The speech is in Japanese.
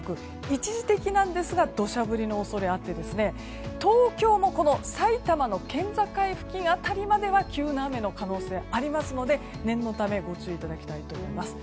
一時的なんですが土砂降りの恐れがあって東京も、埼玉との県境付近辺りまでは急な雨の可能性ありますので念のためご注意いただきたいと思います。